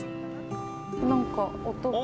何か音が。